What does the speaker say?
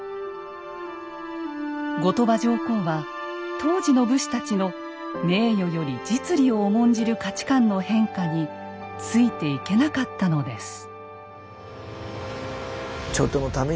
後鳥羽上皇は当時の武士たちの名誉より実利を重んじる価値観の変化についていけなかったのです。